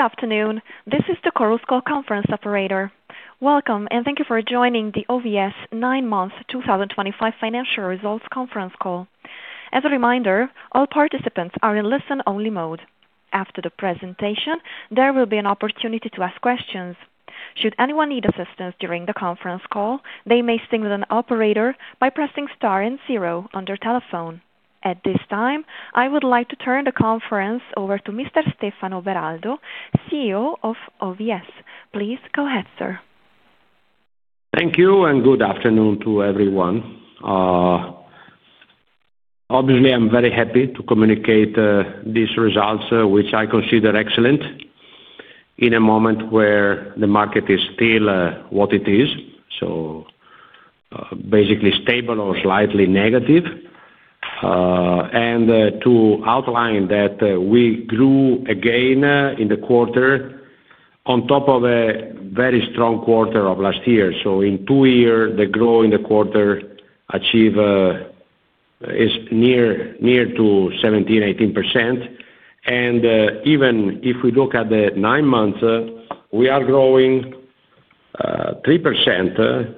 Good afternoon. This is the Chorus Call conference operator. Welcome, and thank you for joining the OVS nine-month 2025 financial results conference call. As a reminder, all participants are in listen-only mode. After the presentation, there will be an opportunity to ask questions. Should anyone need assistance during the conference call, they may speak with an operator by pressing star and zero on their telephone. At this time, I would like to turn the conference over to Mr. Stefano Beraldo, CEO of OVS. Please go ahead, sir. Thank you, and good afternoon to everyone. Obviously, I'm very happy to communicate these results, which I consider excellent in a moment where the market is still what it is, so basically stable or slightly negative, and to outline that, we grew again in the quarter on top of a very strong quarter of last year, so in two years, the growth in the quarter achieved is near to 17%-18%. Even if we look at the nine-month, we are growing 3%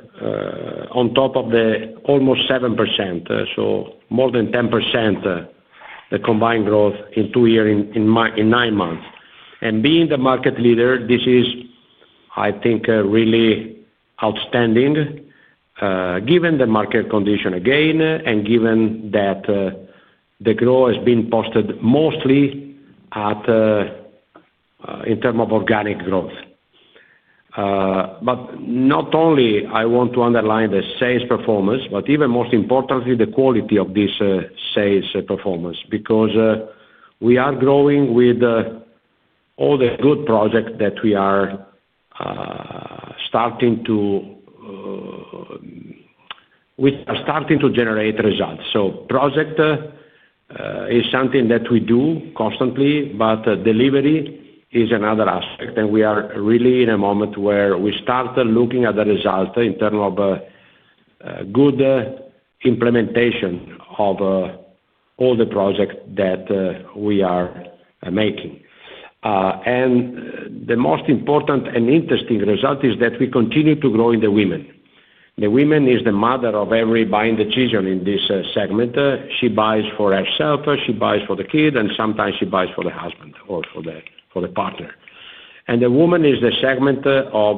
on top of the almost 7%, so more than 10%, the combined growth in two years in nine months. Being the market leader, this is, I think, really outstanding, given the market condition again, and given that the growth has been posted mostly in terms of organic growth. But not only. I want to underline the sales performance, but even most importantly, the quality of this sales performance because we are growing with all the good projects that we are starting to generate results. So projects are something that we do constantly, but delivery is another aspect. And we are really in a moment where we start looking at the results in terms of good implementation of all the projects that we are making. And the most important and interesting result is that we continue to grow in the women. The woman is the mother of every buying decision in this segment. She buys for herself, she buys for the kid, and sometimes she buys for the husband or for the partner. And the woman is the segment of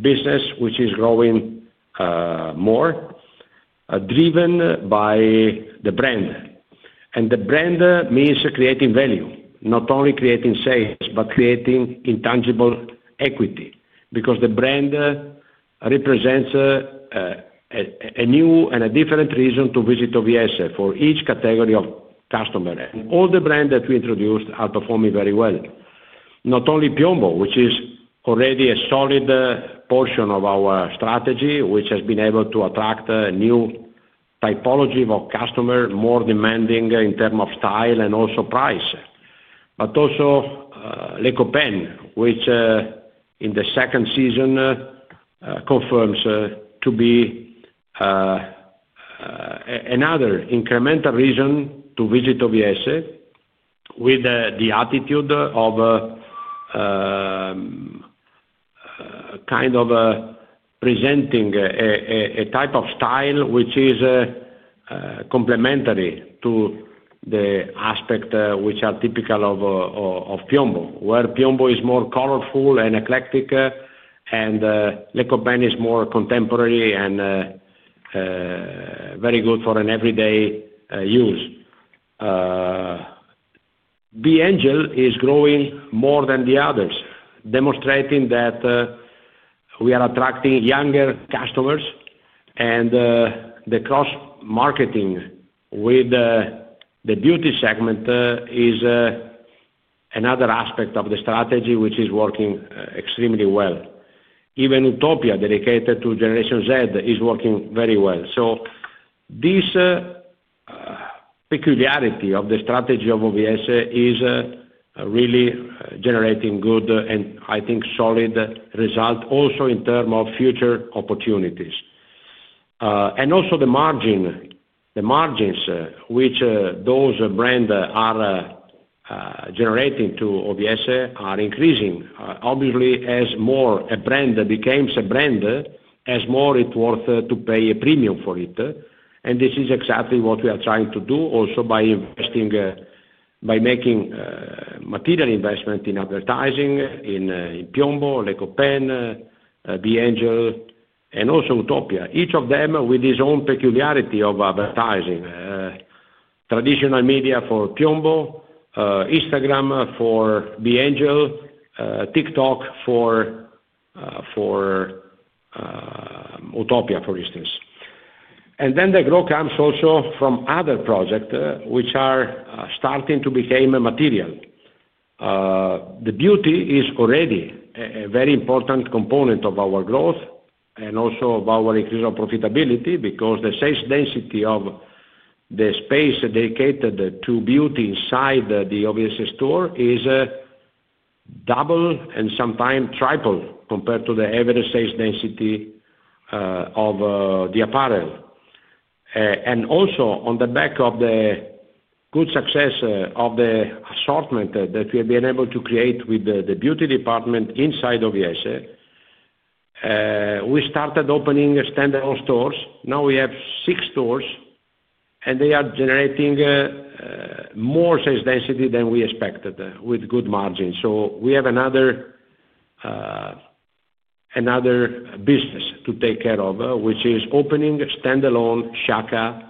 business which is growing more driven by the brand. And the brand means creating value, not only creating sales, but creating intangible equity because the brand represents a new and a different reason to visit OVS for each category of customer. And all the brands that we introduced are performing very well. Not only PIOMBO, which is already a solid portion of our strategy, which has been able to attract new typology of customer, more demanding in terms of style and also price, but also Les Copains, which in the second season confirms to be another incremental reason to visit OVS with the attitude of kind of presenting a type of style which is complementary to the aspect which are typical of PIOMBO, where PIOMBO is more colorful and eclectic, and Les Copains is more contemporary and very good for an everyday use. B.Angel is growing more than the others, demonstrating that we are attracting younger customers. The cross-marketing with the beauty segment is another aspect of the strategy which is working extremely well. Even Utopja, dedicated to Generation Z, is working very well. This peculiarity of the strategy of OVS is really generating good and, I think, solid results also in terms of future opportunities, and also the margins which those brands are generating to OVS are increasing. Obviously, the more a brand becomes a brand, the more it's worth to pay a premium for it. This is exactly what we are trying to do also by investing, by making material investment in advertising in PIOMBO, Les Copains, B.Angel, and also Utopja, each of them with his own peculiarity of advertising, traditional media for PIOMBO, Instagram for B.Angel, TikTok for Utopja, for instance. The growth comes also from other projects, which are starting to become material. The beauty is already a very important component of our growth and also of our increase of profitability because the sales density of the space dedicated to beauty inside the OVS store is double and sometimes triple compared to the average sales density of the apparel. Also on the back of the good success of the assortment that we have been able to create with the beauty department inside OVS, we started opening standalone stores. Now we have six stores, and they are generating more sales density than we expected with good margins, so we have another business to take care of, which is opening standalone SHAKA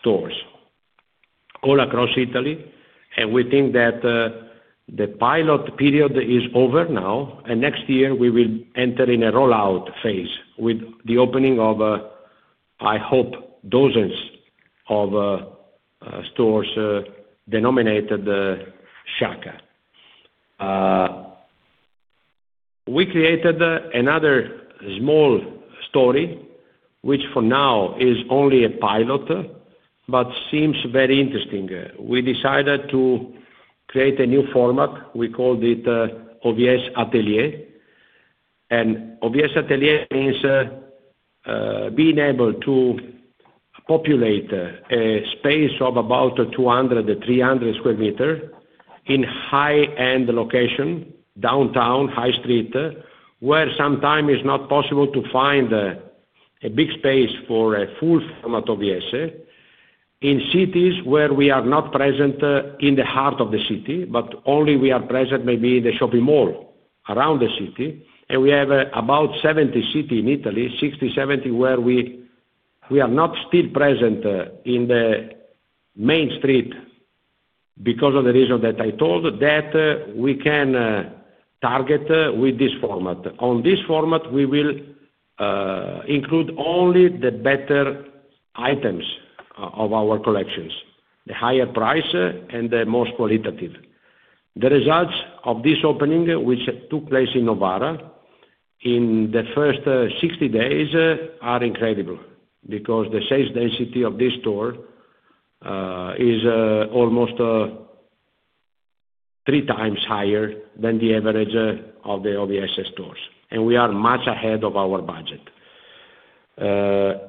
stores all across Italy. We think that the pilot period is over now, and next year we will enter in a rollout phase with the opening of, I hope, dozens of stores denominated SHAKA. We created another small store which for now is only a pilot, but seems very interesting. We decided to create a new format. We called it OVS Atelier. OVS Atelier means being able to populate a space of about 200-300 square meters in high-end location, downtown, high street, where sometimes it's not possible to find a big space for a full format OVS in cities where we are not present in the heart of the city, but only we are present maybe in the shopping mall around the city. We have about 70 cities in Italy, 60-70, where we are not still present in the main street because of the reason that I told that we can target with this format. On this format, we will include only the better items of our collections, the higher price, and the most qualitative. The results of this opening, which took place in Novara in the first 60 days, are incredible because the sales density of this store is almost three times higher than the average of the OVS stores. We are much ahead of our budget.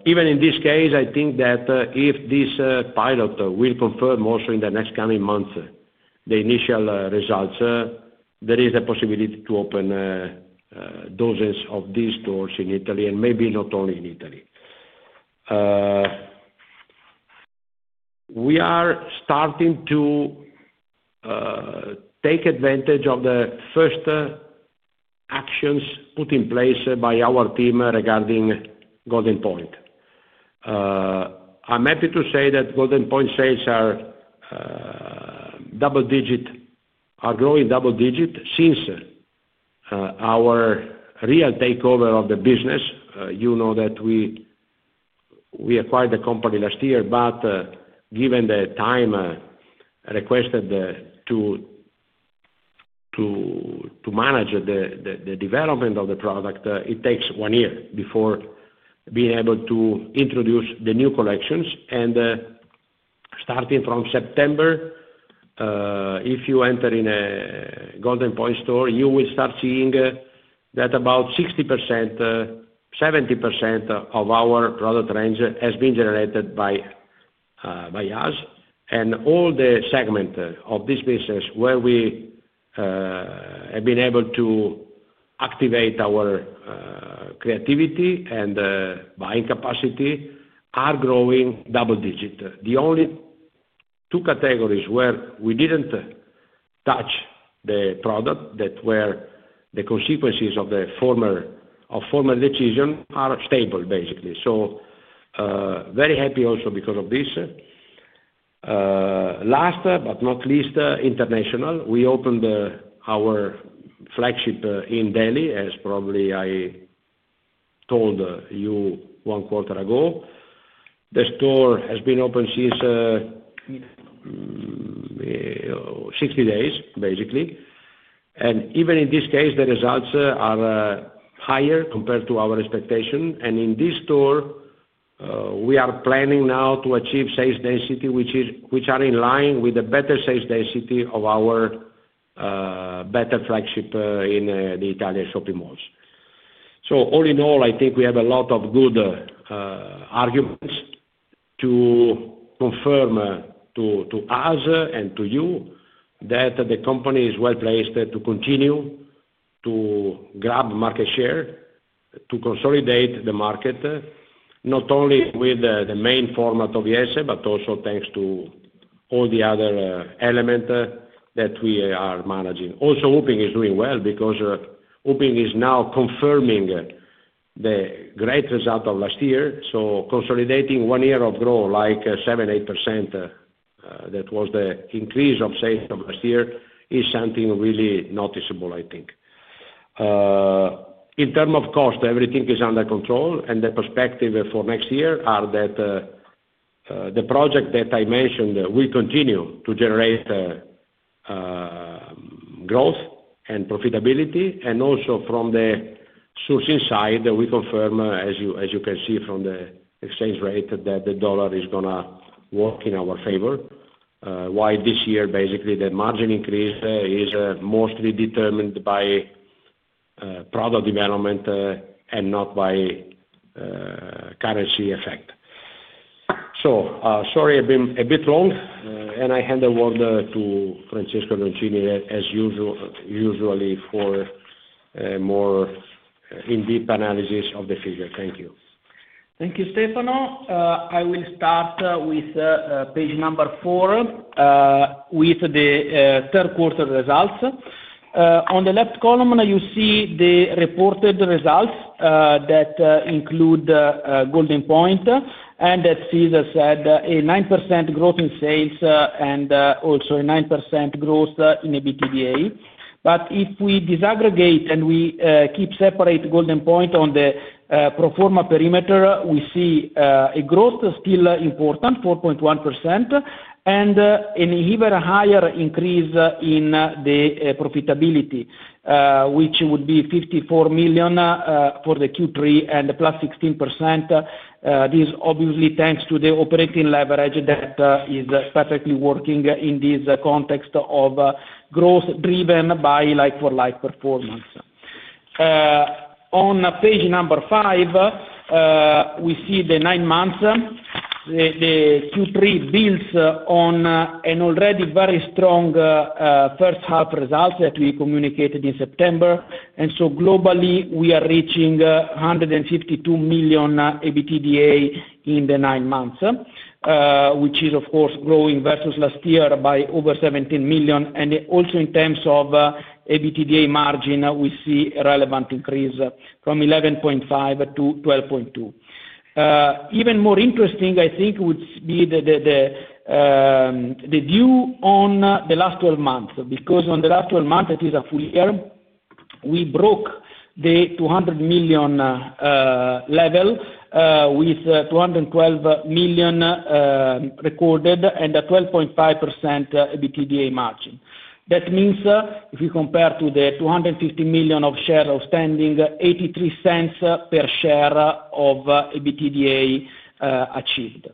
Even in this case, I think that if this pilot will confirm also in the next coming month the initial results, there is a possibility to open dozens of these stores in Italy and maybe not only in Italy. We are starting to take advantage of the first actions put in place by our team regarding Goldenpoint. I'm happy to say that Goldenpoint sales are double-digit growing double-digit since our real takeover of the business. You know that we acquired the company last year, but given the time required to manage the development of the product, it takes one year before being able to introduce the new collections. Starting from September, if you enter a Goldenpoint store, you will start seeing that about 60%-70% of our product range has been generated by us. And all the segment of this business where we have been able to activate our creativity and buying capacity are growing double-digit. The only two categories where we didn't touch the product that were the consequences of the former decision are stable, basically. So very happy also because of this. Last but not least, international. We opened our flagship in Delhi, as probably I told you one quarter ago. The store has been open for 60 days, basically. Even in this case, the results are higher compared to our expectation. In this store, we are planning now to achieve sales density which are in line with the better sales density of our better flagship in the Italian shopping malls. All in all, I think we have a lot of good arguments to confirm to us and to you that the company is well placed to continue to grab market share, to consolidate the market, not only with the main format OVS, but also thanks to all the other element that we are managing. Also, Upim is doing well because Upim is now confirming the great result of last year. Consolidating one year of growth like 7%-8%, that was the increase of sales of last year is something really noticeable, I think. In terms of cost, everything is under control. The perspective for next year is that the project that I mentioned will continue to generate growth and profitability. Also from the sourcing side, we confirm, as you can see from the exchange rate, that the dollar is gonna work in our favor, while this year, basically, the margin increase is mostly determined by product development, and not by currency effect. So, sorry I've been a bit long, and I hand the word to Francesco Leoncini as usual for more in-depth analysis of the figure. Thank you. Thank you, Stefano. I will start with page number four, with the third quarter results. On the left column, you see the reported results that include Goldenpoint and that sees, as I said, a 9% growth in sales and also a 9% growth in EBITDA. But if we disaggregate and we keep separate Goldenpoint on the pro forma perimeter, we see a growth still important 4.1%, and an even higher increase in the profitability, which would be 54 million for the Q3 and plus 16%. This is obviously thanks to the operating leverage that is perfectly working in this context of growth driven by like-for-like performance. On page number five, we see the nine months. The Q3 builds on an already very strong first-half result that we communicated in September. And so globally, we are reaching 152 million EBITDA in the nine months, which is of course growing versus last year by over 17 million. And also in terms of EBITDA margin, we see a relevant increase from 11.5% to 12.2%. Even more interesting, I think, would be the view on the last 12 months because on the last 12 months, it is a full year. We broke the 200 million level with 212 million recorded and a 12.5% EBITDA margin. That means, if you compare to the 250 million shares outstanding, 0.83 per share of EBITDA achieved.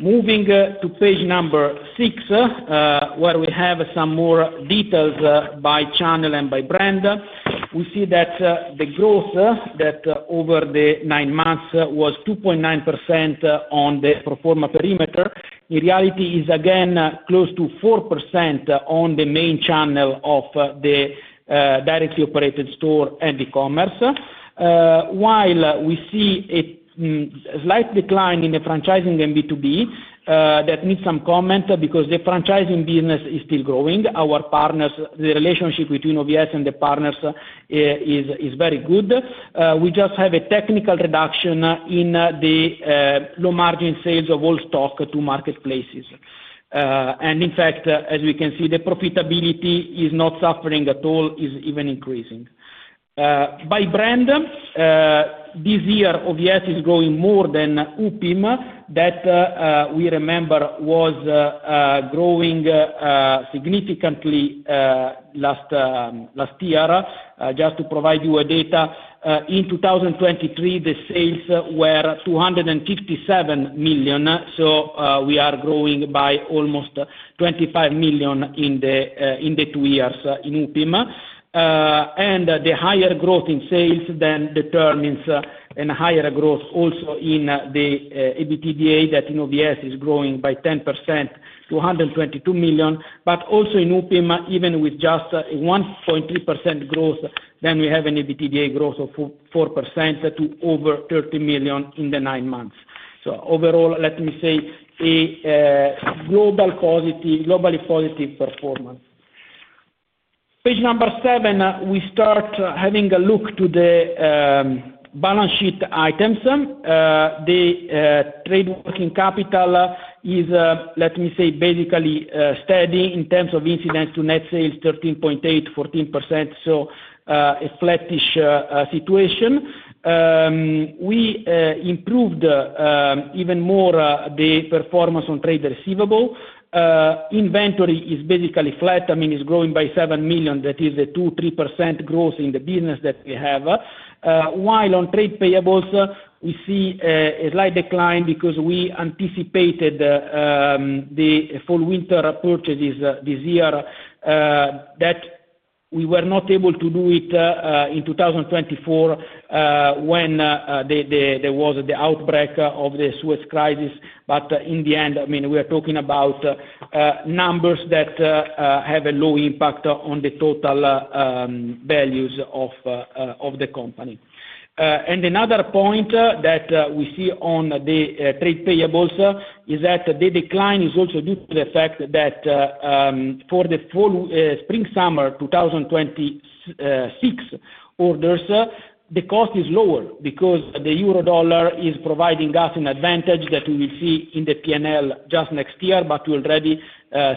Moving to page six, where we have some more details by channel and by brand, we see that the growth that over the nine months was 2.9% on the pro forma perimeter. In reality, it's again close to 4% on the main channel of the directly operated store and e-commerce, while we see a slight decline in the franchising and B2B that needs some comment because the franchising business is still growing. Our partners, the relationship between OVS and the partners, is very good. We just have a technical reduction in the low-margin sales of all stock to marketplaces. And in fact, as we can see, the profitability is not suffering at all, is even increasing. By brand, this year, OVS is growing more than Upim that we remember was growing significantly last year. Just to provide you a data, in 2023, the sales were 257 million. So, we are growing by almost 25 million in the two years in Upim. And the higher growth in sales then determines a higher growth also in the EBITDA that in OVS is growing by 10% to 222 million. But also in Upim, even with just a 1.3% growth, then we have an EBITDA growth of 4% to over 30 million in the nine months. So overall, let me say globally positive performance. Page number seven, we start having a look at the balance sheet items. The trade working capital is, let me say, basically steady in terms of incidence to net sales 13.8%-14%. So, a flattish situation. We improved even more the performance on trade receivable. Inventory is basically flat. I mean, it's growing by 7 million. That is a 2%-3% growth in the business that we have. While on trade payables, we see a slight decline because we anticipated the fall-winter purchases this year that we were not able to do it in 2024, when there was the outbreak of the Suez Crisis. But in the end, I mean, we are talking about numbers that have a low impact on the total values of the company. And another point that we see on the trade payables is that the decline is also due to the fact that for the fall spring-summer 2026 orders, the cost is lower because the euro/dollar is providing us an advantage that we will see in the P&L just next year, but we already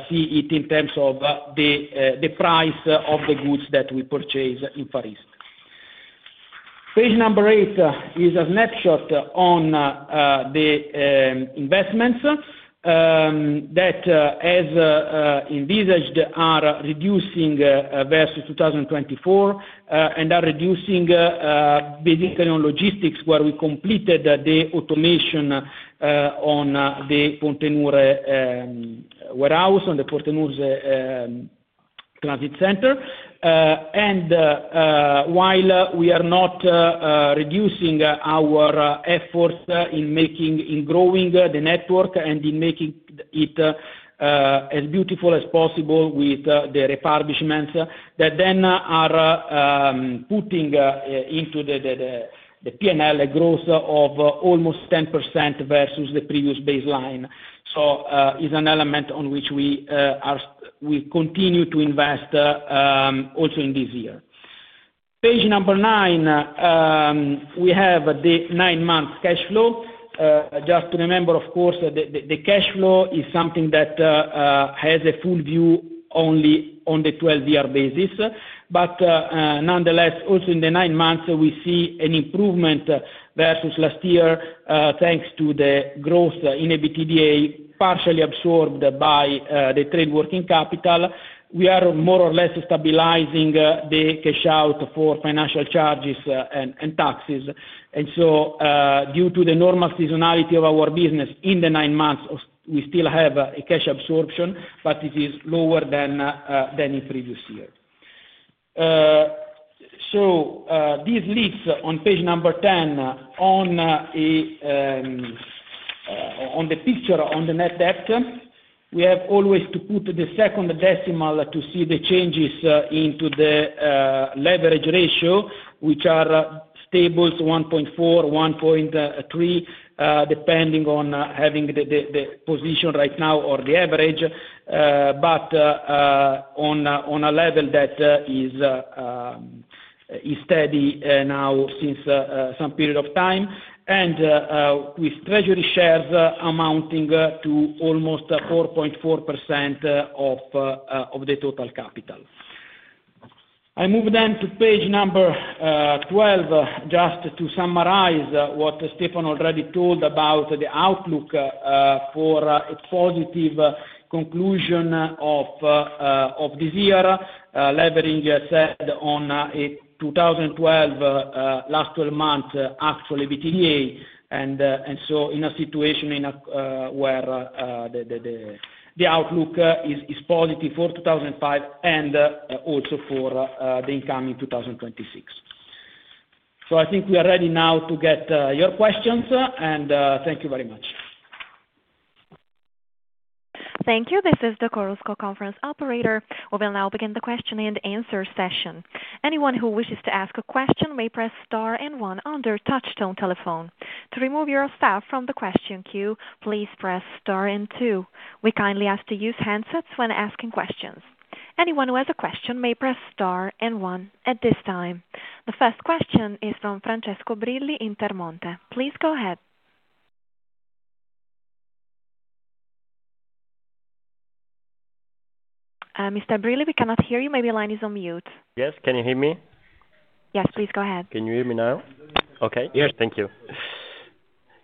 see it in terms of the price of the goods that we purchase in Paris. Page number eight is a snapshot on the investments that, as envisaged, are reducing versus 2024 and are reducing basically on logistics where we completed the automation on the container warehouse on the containers transit center. And while we are not reducing our efforts in making and growing the network and in making it as beautiful as possible with the refurbishments that then are putting into the P&L a growth of almost 10% versus the previous baseline. So, it's an element on which we continue to invest, also in this year. Page number nine, we have the nine-month cash flow. Just to remember, of course, that the cash flow is something that has a full view only on the 12-month basis. But nonetheless, also in the nine months, we see an improvement versus last year, thanks to the growth in EBITDA partially absorbed by the trade working capital. We are more or less stabilizing the cash out for financial charges and taxes. And so, due to the normal seasonality of our business in the nine months, we still have a cash absorption, but it is lower than in previous year. So, this leads on page number 10 to the picture on the net debt. We have always to put the second decimal to see the changes into the leverage ratio, which is stable 1.4-1.3, depending on having the position right now or the average. But on a level that is steady now since some period of time. And with treasury shares amounting to almost 4.4% of the total capital. I move then to page number 12, just to summarize what Stefano already told about the outlook for a positive conclusion of this year, leverage ratio on a LTM last 12 months actual EBITDA. And so in a situation where the outlook is positive for 2024 and also for the incoming 2025. So I think we are ready now to get your questions. And thank you very much. Thank you. This is the Chorus Call conference operator. We will now begin the question and answer session. Anyone who wishes to ask a question may press star and one on touch-tone telephone. To remove yourself from the question queue, please press star and two. We kindly ask to use handsets when asking questions. Anyone who has a question may press star and one at this time. The first question is from Francesco Brilli in Intermonte. Please go ahead. Mr. Brilli, we cannot hear you. Maybe the line is on mute. Yes. Can you hear me? Yes. Please go ahead. Can you hear me now? Okay. Yes. Thank you.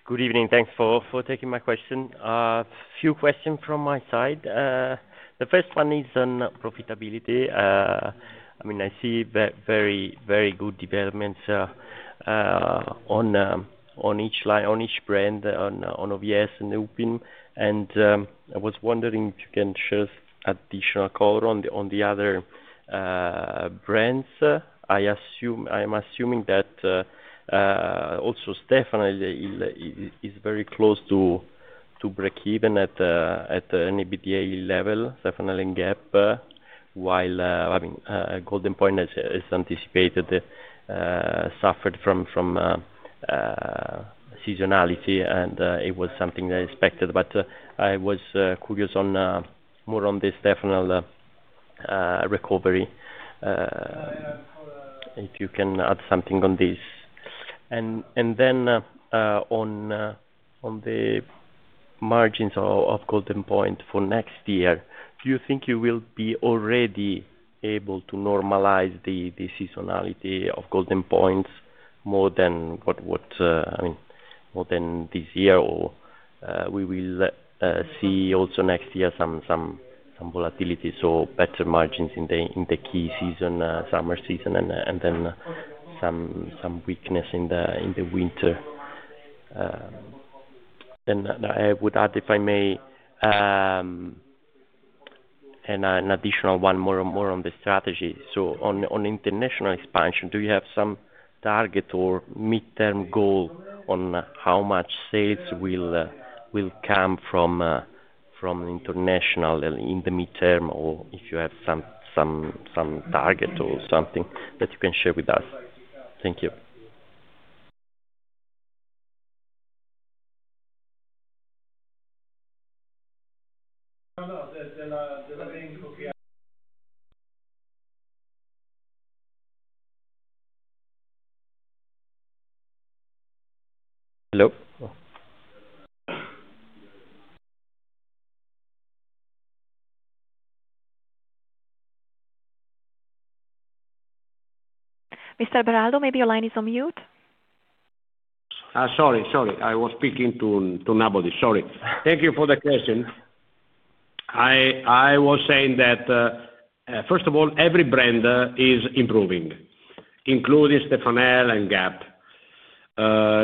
Good evening. Thanks for taking my question. A few questions from my side. The first one is on profitability. I mean, I see very good developments on each line, on each brand, on OVS and Upim. I was wondering if you can share additional color on the other brands. I assume that Stefanel is very close to break even at an EBITDA level, Stefanel and GAP, while, I mean, Goldenpoint has, as anticipated, suffered from seasonality. And it was something that I expected. But I was curious on more on the Stefanel recovery, if you can add something on this. And then, on the margins of Goldenpoint for next year, do you think you will be already able to normalize the seasonality of Goldenpoint more than what I mean more than this year or we will see also next year some volatility? So better margins in the key season, summer season, and then some weakness in the winter. Then I would add, if I may, an additional one more on the strategy. So on international expansion, do you have some target or midterm goal on how much sales will come from international in the midterm or if you have some target or something that you can share with us? Thank you. Hello. Mr. Beraldo, maybe your line is on mute. Sorry. I was speaking to nobody. Sorry. Thank you for the question. I was saying that, first of all, every brand is improving, including Stefanel and GAP.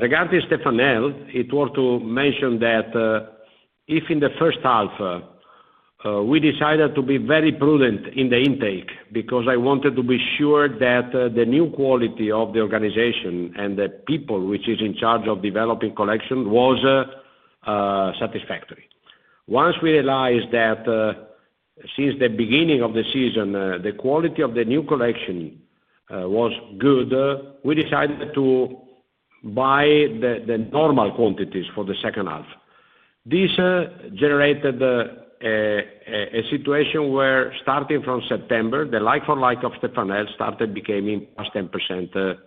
Regarding Stefanel, it was to mention that, if in the first half, we decided to be very prudent in the intake because I wanted to be sure that the new quality of the organization and the people which is in charge of developing collection was satisfactory. Once we realized that, since the beginning of the season, the quality of the new collection was good, we decided to buy the normal quantities for the second half. This generated a situation where starting from September, the like-for-like of Stefanel started becoming plus 10%,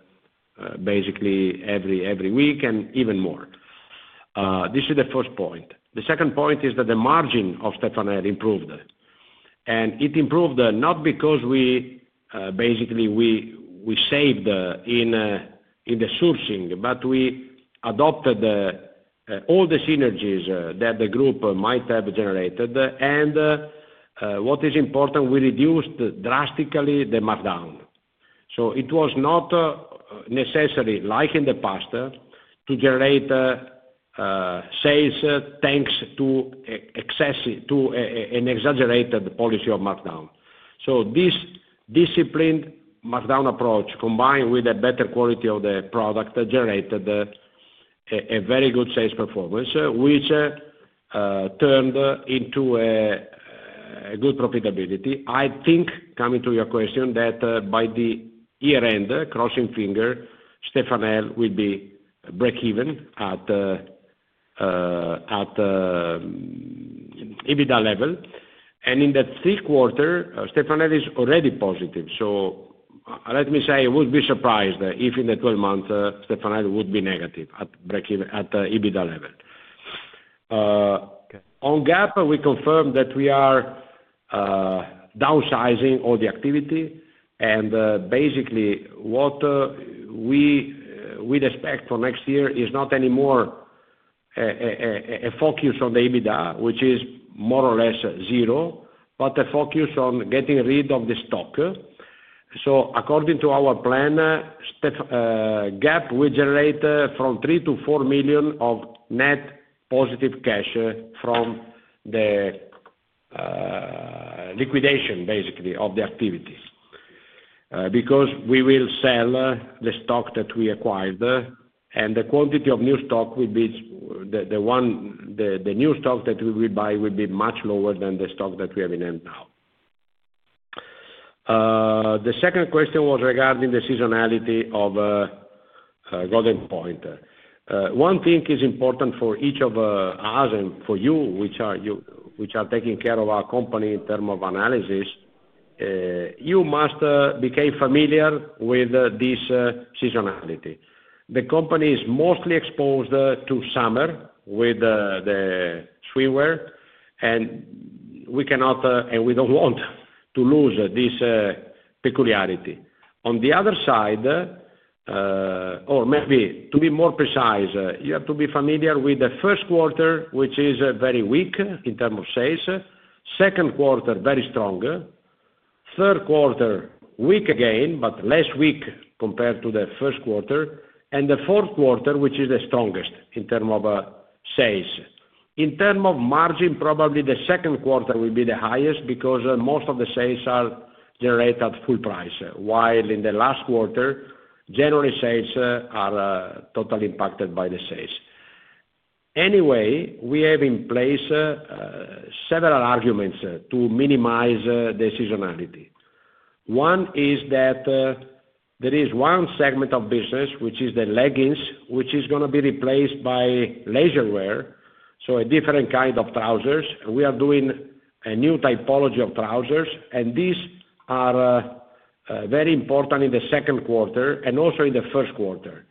basically every week and even more. This is the first point. The second point is that the margin of Stefanel improved. It improved not because we basically saved in the sourcing, but we adopted all the synergies that the group might have generated. What is important, we reduced drastically the markdown. So it was not necessary, like in the past, to generate sales thanks to excessive to an exaggerated policy of markdown. So this disciplined markdown approach combined with a better quality of the product generated a very good sales performance, which turned into a good profitability. I think, coming to your question, that by the year-end, crossing fingers, Stefanel will be break even at EBITDA level. And in the third quarter, Stefanel is already positive. So let me say I would be surprised if in the 12 months, Stefanel would be negative or break even at EBITDA level. Okay. On GAP, we confirmed that we are downsizing all the activity. And, basically what we expect for next year is not anymore a focus on the EBITDA, which is more or less zero, but a focus on getting rid of the stock. So according to our plan, Stefanel and GAP will generate 3-4 million of net positive cash from the liquidation, basically, of the activities, because we will sell the stock that we acquired. And the quantity of new stock will be the one, the new stock that we will buy will be much lower than the stock that we have in hand now. The second question was regarding the seasonality of Golden Point. One thing is important for each of us and for you, which you are taking care of our company in terms of analysis. You must become familiar with this seasonality. The company is mostly exposed to summer with the swimwear. We cannot and we don't want to lose this peculiarity. On the other side, or maybe to be more precise, you have to be familiar with the first quarter, which is very weak in terms of sales, second quarter very strong, third quarter weak again, but less weak compared to the first quarter, and the fourth quarter, which is the strongest in terms of sales. In terms of margin, probably the second quarter will be the highest because most of the sales are generated at full price, while in the last quarter, general sales are totally impacted by the sales. Anyway, we have in place several arguments to minimize the seasonality. One is that there is one segment of business which is the leggings, which is going to be replaced by leisure wear, so a different kind of trousers. We are doing a new typology of trousers. These are very important in the second quarter and also in the first quarter.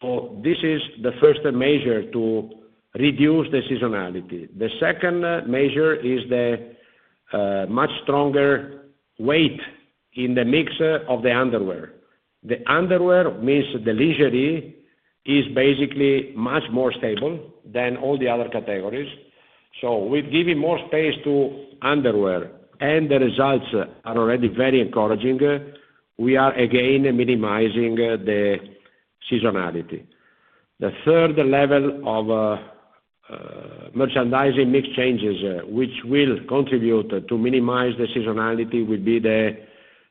So this is the first measure to reduce the seasonality. The second measure is the much stronger weight in the mix of the underwear. The underwear means the leisure is basically much more stable than all the other categories. So we're giving more space to underwear. And the results are already very encouraging. We are again minimizing the seasonality. The third level of merchandising mix changes, which will contribute to minimize the seasonality, will be the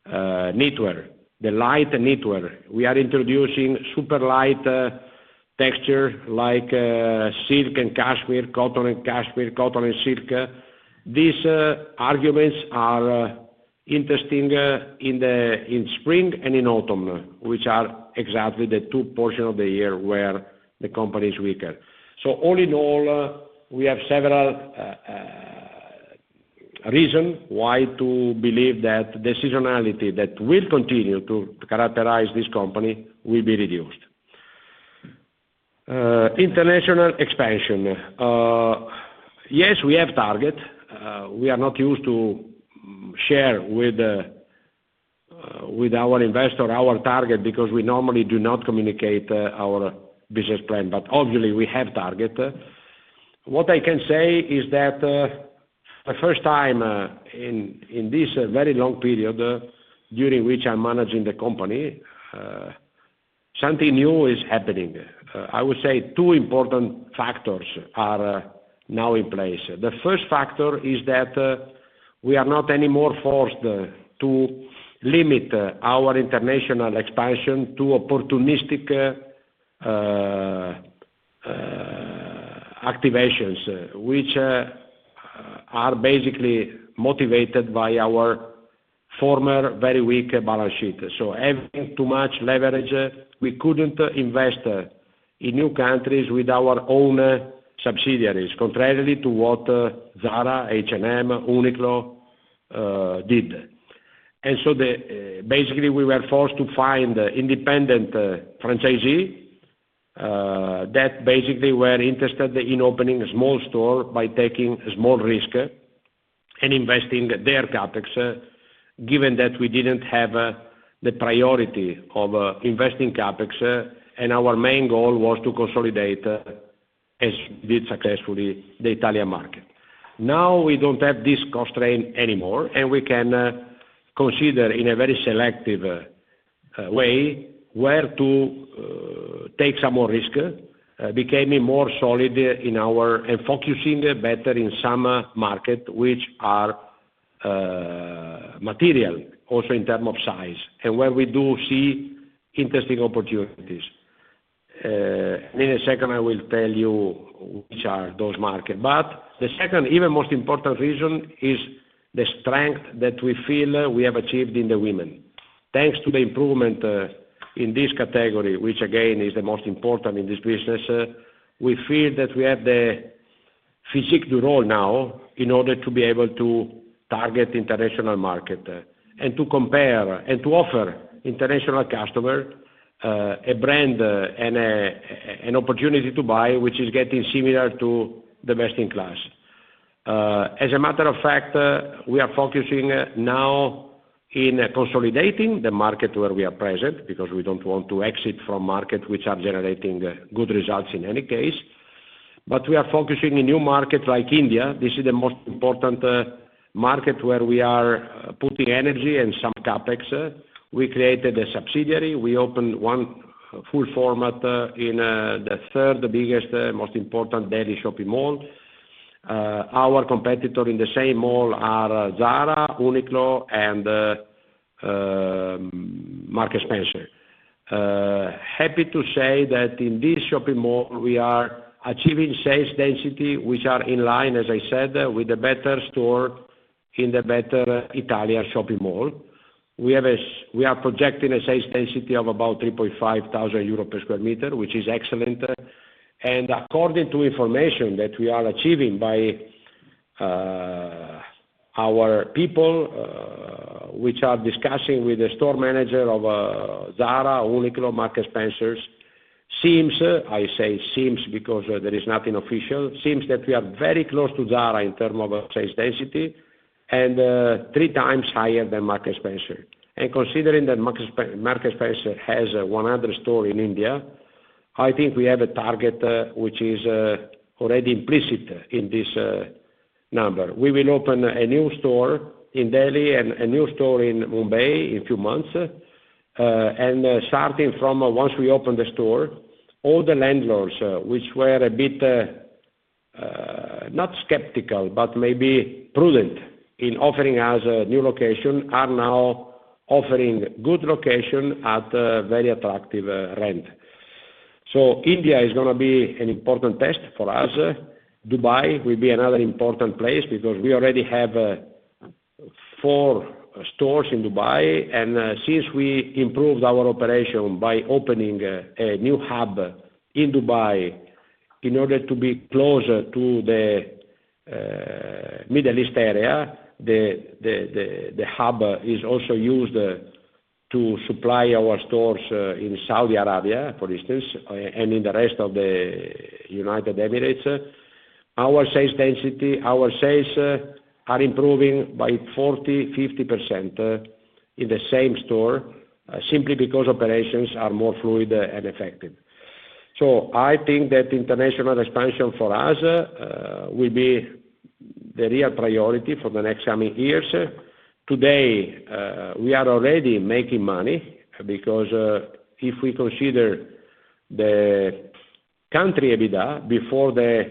knitwear, the light knitwear. We are introducing super light texture like silk and cashmere, cotton and cashmere, cotton and silk. These arguments are interesting in the spring and in autumn, which are exactly the two portions of the year where the company is weaker. So all in all, we have several reasons why to believe that the seasonality that will continue to characterize this company will be reduced. International expansion. Yes, we have target. We are not used to share with our investor our target because we normally do not communicate our business plan. But obviously, we have target. What I can say is that the first time in this very long period during which I'm managing the company, something new is happening. I would say two important factors are now in place. The first factor is that we are not anymore forced to limit our international expansion to opportunistic activations, which are basically motivated by our former very weak balance sheet. So having too much leverage, we couldn't invest in new countries with our own subsidiaries, contrary to what ZARA, H&M, Uniqlo did. And so basically, we were forced to find independent franchisees that basically were interested in opening a small store by taking small risk and investing their CapEx, given that we didn't have the priority of investing CapEx. And our main goal was to consolidate, as we did successfully, the Italian market. Now we don't have this constraint anymore. And we can consider in a very selective way where to take some more risk, becoming more solid in our and focusing better in some markets which are material also in terms of size and where we do see interesting opportunities. And in a second, I will tell you which are those markets. But the second even most important reason is the strength that we feel we have achieved in the women. Thanks to the improvement, in this category, which again is the most important in this business, we feel that we have the physique du rôle now in order to be able to target international market and to compare and to offer international customers, a brand and a, a, an opportunity to buy which is getting similar to the best in class. As a matter of fact, we are focusing now in consolidating the market where we are present because we don't want to exit from markets which are generating good results in any case. But we are focusing in new markets like India. This is the most important, market where we are putting energy and some CapEx. We created a subsidiary. We opened one full format in, the third biggest, most important daily shopping mall. Our competitor in the same mall are ZARA, Uniqlo, and, Marks & Spencer. Happy to say that in this shopping mall, we are achieving sales density which are in line, as I said, with the better store in the better Italian shopping mall. We are projecting a sales density of about 3,500 euros per square meter, which is excellent. According to information that we are achieving by our people, which are discussing with the store manager of ZARA, Uniqlo, Marks & Spencer, seems, I say, seems because there is nothing official, seems that we are very close to ZARA in terms of sales density and three times higher than Marks & Spencer. Considering that Marks & Spencer has 100 stores in India, I think we have a target which is already implicit in this number. We will open a new store in Delhi and a new store in Mumbai in a few months. And starting from once we open the store, all the landlords which were a bit, not skeptical but maybe prudent in offering us a new location are now offering good location at a very attractive rent. So India is going to be an important test for us. Dubai will be another important place because we already have four stores in Dubai. And since we improved our operation by opening a new hub in Dubai in order to be closer to the Middle East area, the hub is also used to supply our stores in Saudi Arabia, for instance, and in the rest of the United Arab Emirates. Our sales density, our sales are improving by 40%-50% in the same store, simply because operations are more fluid and effective. So I think that international expansion for us will be the real priority for the next coming years. Today, we are already making money because if we consider the country EBITDA before the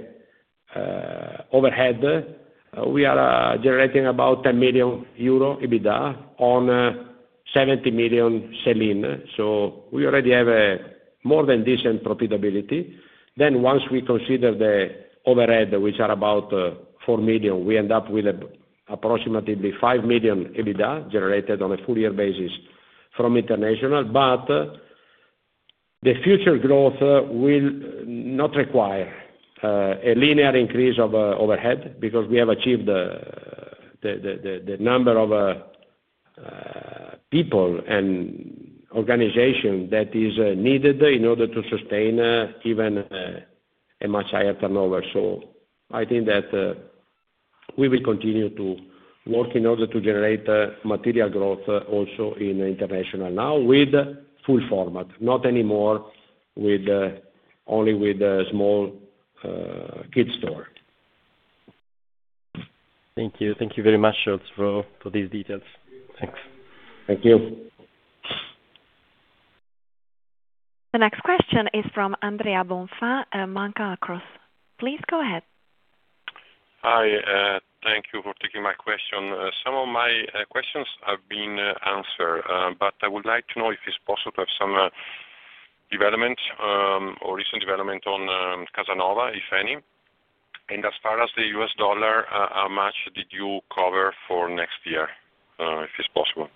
overhead, we are generating about 10 million euro EBITDA on 70 million sales. So we already have a more than decent profitability. Then once we consider the overhead, which are about 4 million, we end up with approximately 5 million EBITDA generated on a full-year basis from international. But the future growth will not require a linear increase of overhead because we have achieved the number of people and organizations that is needed in order to sustain even a much higher turnover. So I think that we will continue to work in order to generate material growth also in international now with full format, not anymore with only with a small kids store. Thank you. Thank you very much, Stefano, for these details. Thanks. Thank you. The next question is from Andrea Bonfà, Banca Akros. Please go ahead. Hi. Thank you for taking my question. Some of my questions have been answered. But I would like to know if it's possible to have some development or recent development on Kasanova, if any. And as far as the U.S. dollar, how much did you cover for next year, if it's possible?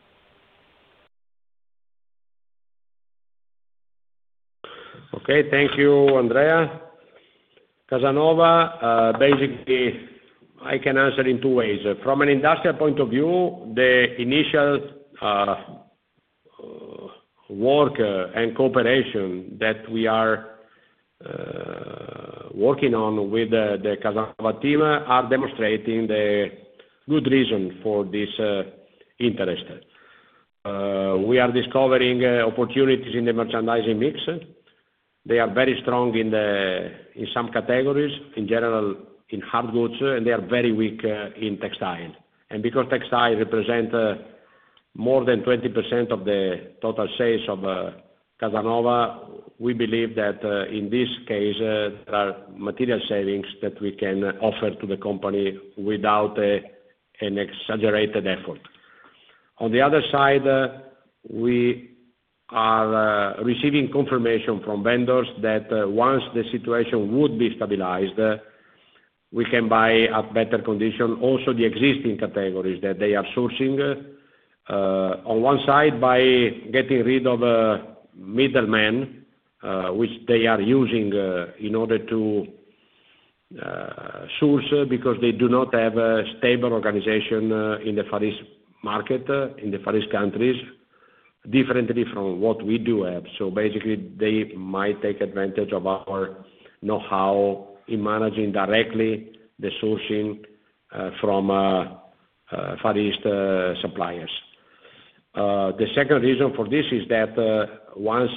Okay. Thank you, Andrea. Kasanova, basically I can answer in two ways. From an industrial point of view, the initial work and cooperation that we are working on with the Kasanova team are demonstrating the good reason for this interest. We are discovering opportunities in the merchandising mix. They are very strong in some categories, in general, in hard goods, and they are very weak in textile, and because textile represents more than 20% of the total sales of Kasanova, we believe that in this case, there are material savings that we can offer to the company without an exaggerated effort. On the other side, we are receiving confirmation from vendors that once the situation would be stabilized, we can buy at better condition also the existing categories that they are sourcing, on one side by getting rid of middlemen, which they are using in order to source because they do not have a stable organization in the Far East market, in the Far East countries, differently from what we do have. So basically, they might take advantage of our know-how in managing directly the sourcing from Far East suppliers. The second reason for this is that once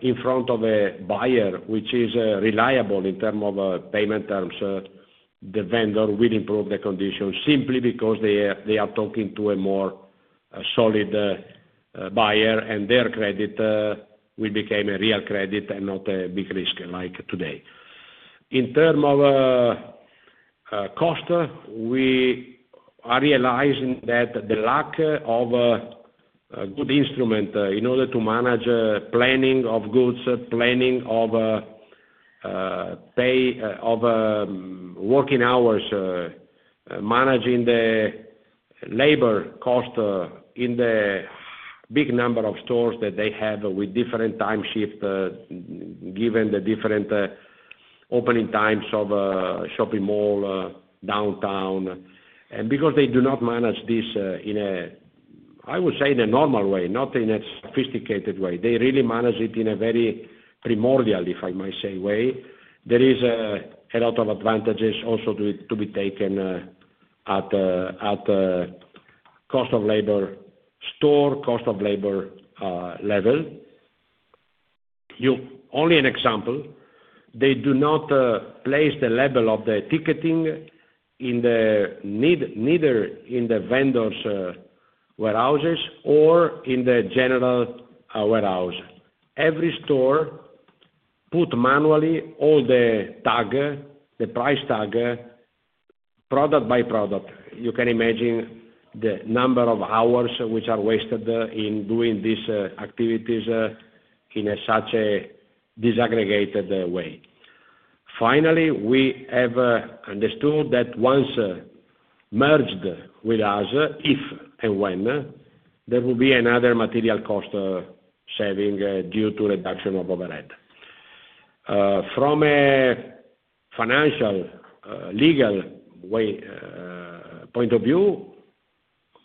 in front of a buyer which is reliable in terms of payment terms, the vendor will improve the conditions simply because they are talking to a more solid buyer, and their credit will become a real credit and not a big risk like today. In terms of cost, we are realizing that the lack of good instruments in order to manage planning of goods, planning of pay, of working hours, managing the labor cost in the big number of stores that they have with different time shifts, given the different opening times of shopping mall, downtown. Because they do not manage this in a, I would say, normal way, not in a sophisticated way, they really manage it in a very primordial, if I might say, way. There is a lot of advantages also to be taken at cost of labor level. They do not place the level of the ticketing in the store neither in the vendors' warehouses or in the general warehouse. Every store puts manually all the tag, the price tag, product by product. You can imagine the number of hours which are wasted in doing these activities in such a disaggregated way. Finally, we have understood that once merged with us, if and when there will be another material cost saving due to reduction of overhead from a financial, legal way, point of view,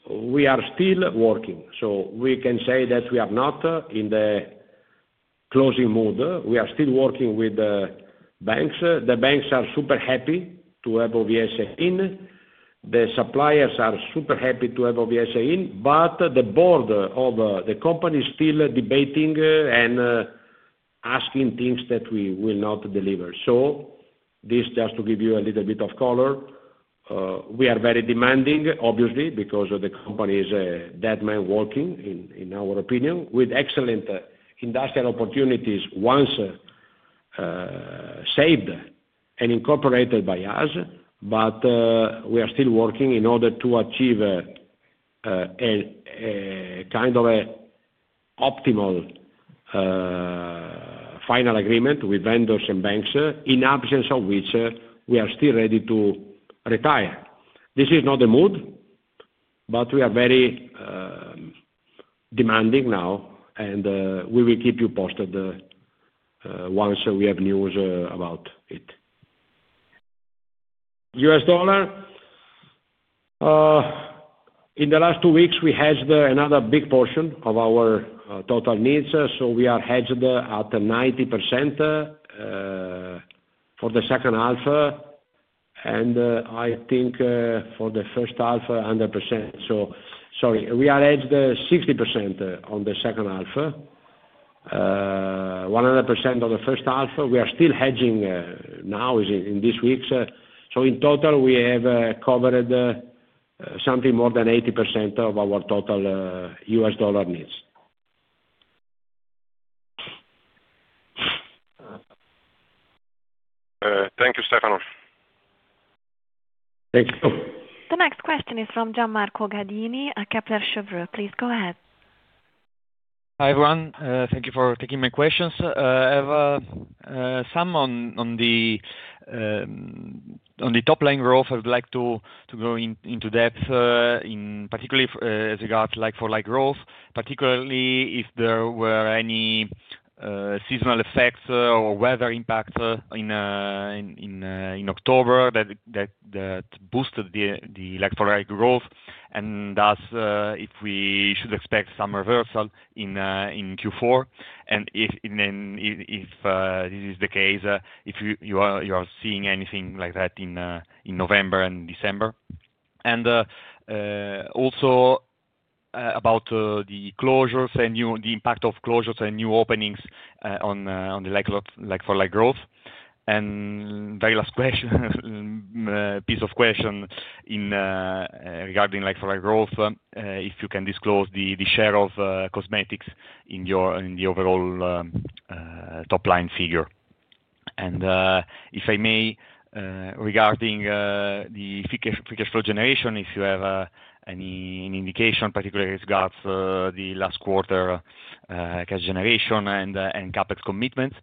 we are still working. So we can say that we are not in the closing mode. We are still working with the banks. The banks are super happy to have OVS in. The suppliers are super happy to have OVS in. But the board of the company is still debating and asking things that we will not deliver. So this, just to give you a little bit of color, we are very demanding, obviously, because the company is a dead man walking, in our opinion, with excellent industrial opportunities once saved and incorporated by us. But we are still working in order to achieve a kind of an optimal final agreement with vendors and banks in absence of which we are still ready to retire. This is not the mood, but we are very demanding now. And we will keep you posted once we have news about it. US dollar, in the last two weeks we hedged another big portion of our total needs. So we are hedged at 90% for the second half. And I think for the first half 100%. So sorry. We are hedged 60% on the second half, 100% on the first half. We are still hedging now in these weeks. So in total we have covered something more than 80% of our total US dollar needs. Thank you, Stefano. Thank you. The next question is from Gian Marco Gadini at Kepler Cheuvreux. Please go ahead. Hi, everyone. Thank you for taking my questions. I have some on the top line growth I would like to go into depth, in particular, as regards like-for-like growth, particularly if there were any seasonal effects or weather impacts in October that boosted the like-for-like growth. And thus, if we should expect some reversal in Q4. And if this is the case, if you are seeing anything like that in November and December. And also about the impact of closures and new openings on the like-for-like growth. And very last question, piece of question regarding like-for-like growth, if you can disclose the share of cosmetics in the overall top line figure. If I may, regarding the free cash flow generation, if you have any indication, particularly regarding the last quarter, cash generation and CapEx commitments.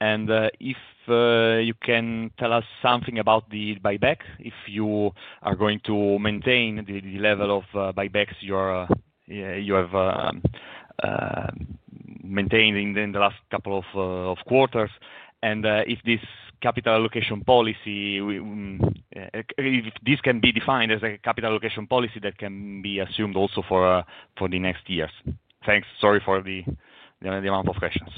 If you can tell us something about the buyback, if you are going to maintain the level of buybacks you have maintained in the last couple of quarters. If this can be defined as a capital allocation policy that can be assumed also for the next years. Thanks. Sorry for the amount of questions.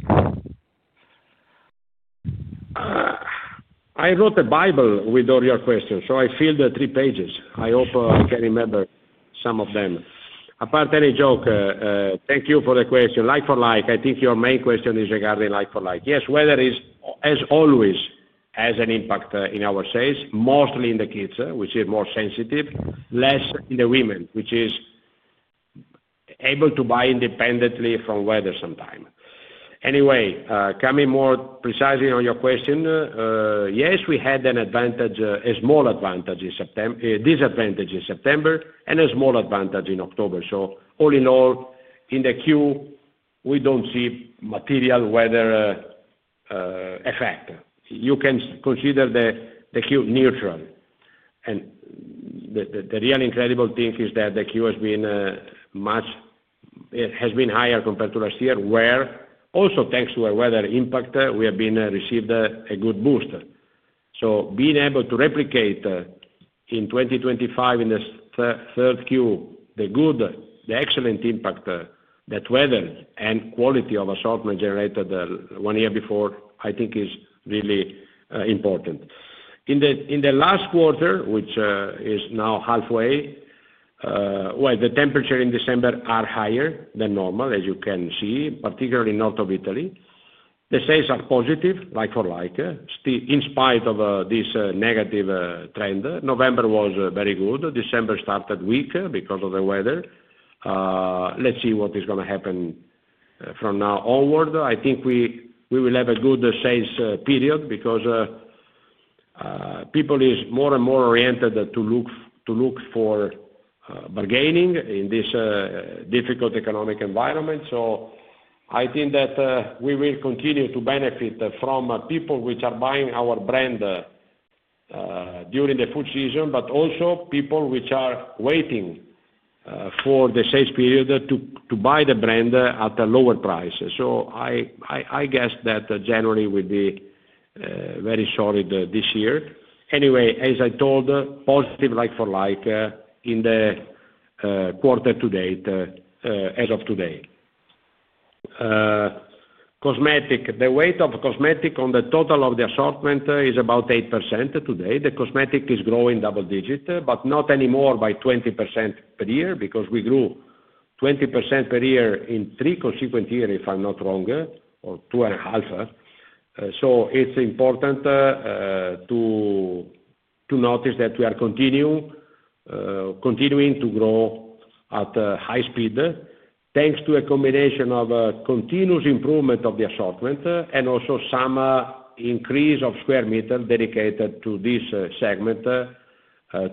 I wrote a Bible with all your questions. So I filled the three pages. I hope I can remember some of them. Apart from any joke, thank you for the question. Like-for-like, I think your main question is regarding like-for-like. Yes, weather is, as always, has an impact in our sales, mostly in the kids, which are more sensitive, less in the women, which is able to buy independently from weather sometime. Anyway, coming more precisely on your question, yes, we had an advantage, a small advantage in September, disadvantage in September, and a small advantage in October. So all in all, in the Q, we don't see material weather effect. You can consider the Q neutral. The real incredible thing is that the Q has been much higher compared to last year, where also thanks to our weather impact, we received a good boost. So being able to replicate in 2025 in the third Q the good, the excellent impact that weather and quality of assortment generated one year before, I think is really important. In the last quarter, which is now halfway, well, the temperature in December is higher than normal, as you can see, particularly north of Italy. The sales are positive, like-for-like, in spite of this negative trend. November was very good. December started weak because of the weather. Let's see what is going to happen from now onward. I think we will have a good sales period because people are more and more oriented to look for bargains in this difficult economic environment. So I think that we will continue to benefit from people which are buying our brand during the full season, but also people which are waiting for the sales period to buy the brand at a lower price. I guess that January will be very solid this year. Anyway, as I told, positive like-for-like in the quarter to date, as of today. Cosmetics. The weight of cosmetics on the total of the assortment is about 8% today. Cosmetics is growing double-digit, but not anymore by 20% per year because we grew 20% per year in three consecutive years, if I'm not wrong, or two and a half. So it's important to notice that we are continuing to grow at a high speed thanks to a combination of continuous improvement of the assortment and also some increase of square meter dedicated to this segment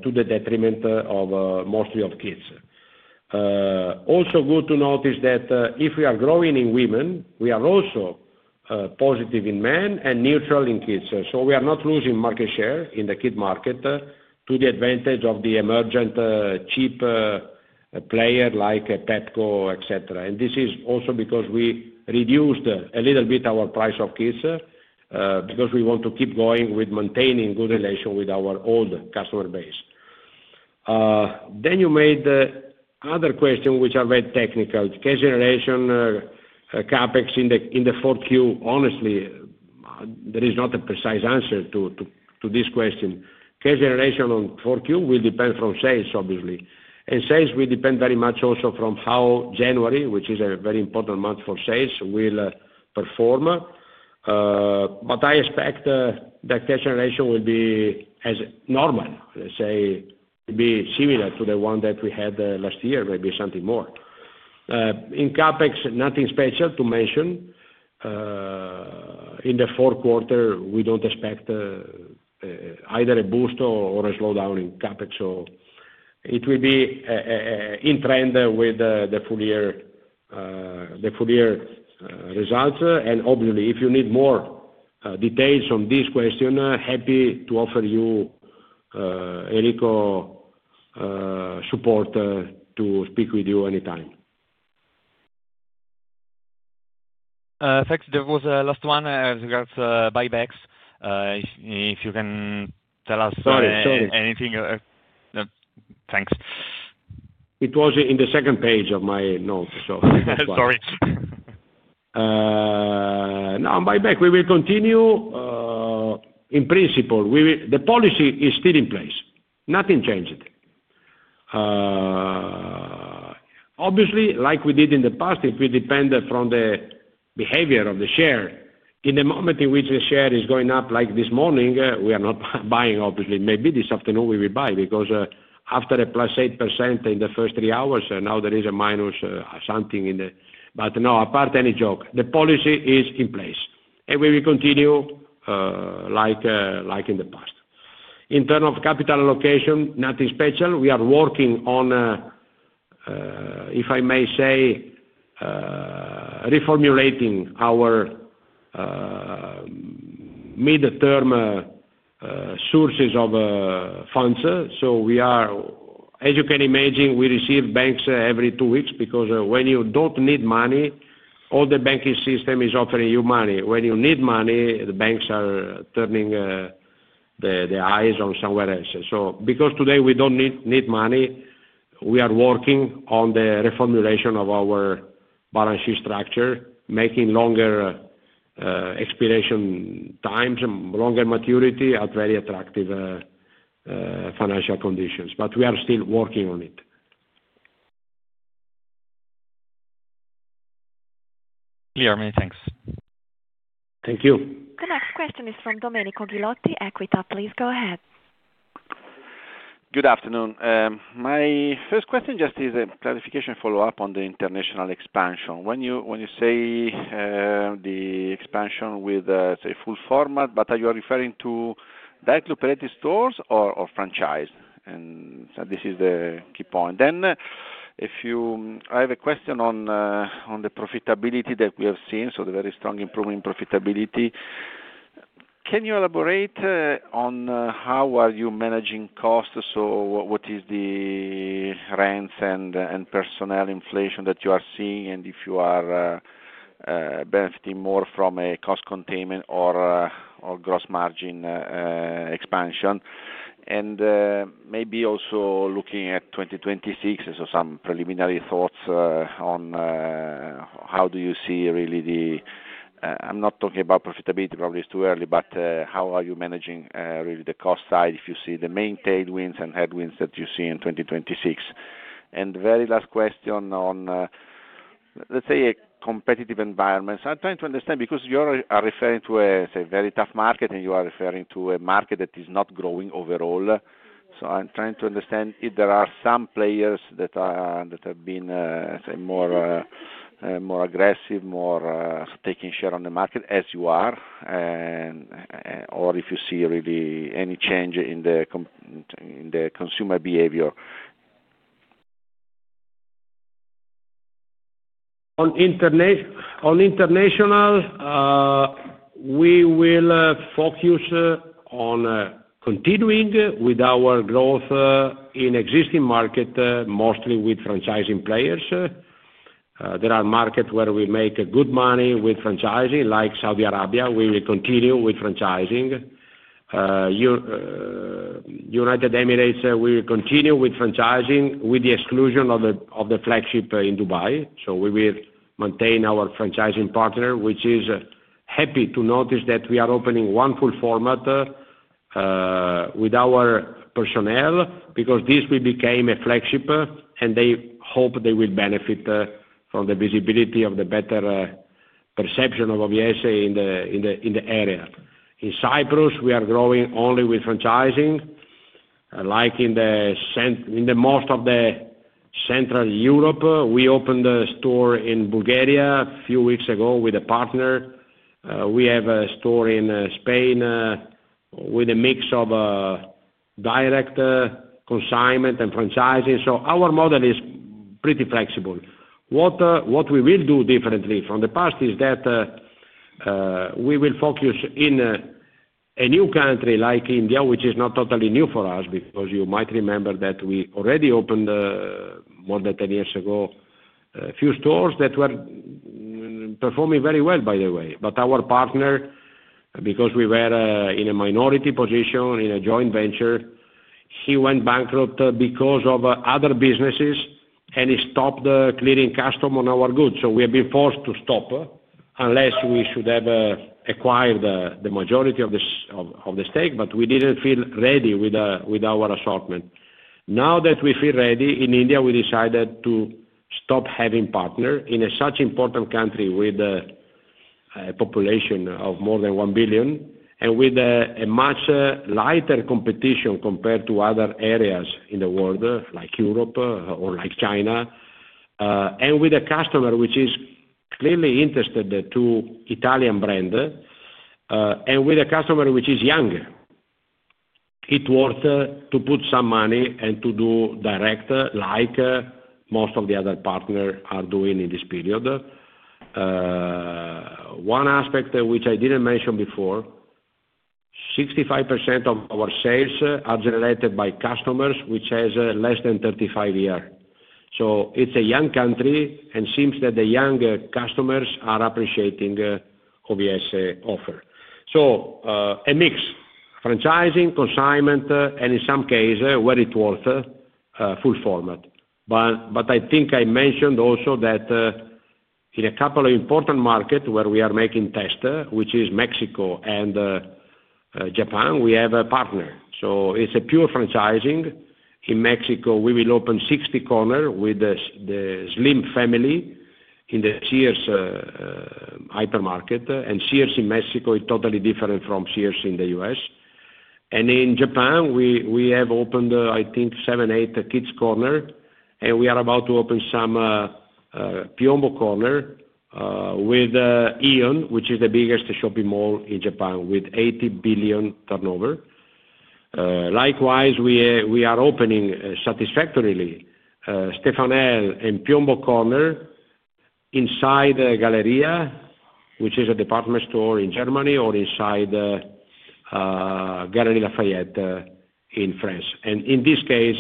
to the detriment of mostly kids. Also good to notice that if we are growing in women we are also positive in men and neutral in kids. So we are not losing market share in the kid market to the advantage of the emergent cheap player like Pepco etc. And this is also because we reduced a little bit our price of kids because we want to keep going with maintaining good relation with our old customer base. Then you made the other question which are very technical. Cash generation CapEx in the fourth Q honestly there is not a precise answer to this question. Cash generation on fourth Q will depend from sales, obviously. And sales will depend very much also from how January, which is a very important month for sales, will perform. But I expect that cash generation will be as normal, let's say, be similar to the one that we had last year, maybe something more. In CapEx, nothing special to mention. In the fourth quarter, we don't expect either a boost or a slowdown in CapEx. So it will be in trend with the full year results. And obviously, if you need more details on this question, happy to offer you, Enrico, support to speak with you anytime. Thanks. That was the last one as regards to buybacks. If you can tell us. Sorry, sorry. Anything, thanks. It was in the second page of my note, so. Sorry. No, buyback, we will continue. In principle, we will, the policy is still in place. Nothing changed. Obviously, like we did in the past, if we depend from the behavior of the share, in the moment in which the share is going up like this morning, we are not buying, obviously. Maybe this afternoon we will buy because after a plus 8% in the first three hours, now there is a minus something in the but no, apart from any joke, the policy is in place. We will continue, like in the past. In terms of capital allocation, nothing special. We are working on, if I may say, reformulating our midterm sources of funds. So we are, as you can imagine, we receive banks every two weeks because when you don't need money, all the banking system is offering you money. When you need money, the banks are turning the eyes on somewhere else. So because today we don't need money, we are working on the reformulation of our balance sheet structure, making longer expiration times, longer maturity at very attractive financial conditions. But we are still working on it. Clear. Many thanks. Thank you. The next question is from Domenico Ghilotti, Equita. Please go ahead. Good afternoon. My first question just is a clarification follow-up on the international expansion. When you say, the expansion with, say, full format, but are you referring to directly operated stores or, or franchise? And this is the key point. Then I have a question on, on the profitability that we have seen, so the very strong improvement in profitability. Can you elaborate, on how are you managing costs? So what is the rents and, and personnel inflation that you are seeing? And if you are, benefiting more from a cost containment or, or gross margin, expansion? And, maybe also looking at 2026, so some preliminary thoughts, on, how do you see really the, I'm not talking about profitability, probably it's too early, but, how are you managing, really the cost side if you see the main tailwinds and headwinds that you see in 2026? The very last question on, let's say, a competitive environment. So I'm trying to understand because you are referring to, say, a very tough market, and you are referring to a market that is not growing overall. So I'm trying to understand if there are some players that have been, say, more aggressive, more taking share in the market as you are, and or if you see really any change in the consumer behavior. On international, we will focus on continuing with our growth in existing market, mostly with franchising players. There are markets where we make good money with franchising, like Saudi Arabia. We will continue with franchising. United Arab Emirates, we will continue with franchising with the exclusion of the flagship in Dubai. So we will maintain our franchising partner, which is happy to notice that we are opening one full format with our personnel because this we became a flagship, and they hope they will benefit from the visibility of the better perception of OVS in the area. In Cyprus, we are growing only with franchising, like in the center in most of central Europe. We opened a store in Bulgaria a few weeks ago with a partner. We have a store in Spain, with a mix of direct, consignment, and franchising. So our model is pretty flexible. What we will do differently from the past is that we will focus in a new country like India, which is not totally new for us because you might remember that we already opened, more than 10 years ago, a few stores that were performing very well, by the way. But our partner, because we were in a minority position in a joint venture, he went bankrupt because of other businesses, and he stopped clearing customs on our goods. So we have been forced to stop unless we should have acquired the majority of the stake, but we didn't feel ready with our assortment. Now that we feel ready, in India, we decided to stop having partners in such a important country with a population of more than 1 billion and with a much lighter competition compared to other areas in the world, like Europe or like China, and with a customer which is clearly interested in the two Italian brands, and with a customer which is younger. It's worth to put some money and to do direct, like most of the other partners are doing in this period. One aspect which I didn't mention before, 65% of our sales are generated by customers which has less than 35 years. It's a young country, and it seems that the young customers are appreciating OVS offer. A mix: franchising, consignment, and in some cases, where it's worth, full format. But I think I mentioned also that, in a couple of important markets where we are making test, which is Mexico and Japan, we have a partner. So it's a pure franchising. In Mexico, we will open 60 corners with the Slim family in the Sears hypermarkets. And Sears in Mexico is totally different from Sears in the U.S. And in Japan, we have opened, I think, seven, eight Kids corner, and we are about to open some PIOMBO corner with AEON, which is the biggest shopping mall in Japan with 80 billion turnover. Likewise, we are opening satisfactorily Stefanel and PIOMBO corner inside Galeria, which is a department store in Germany, or inside Galeries Lafayette in France. And in this case,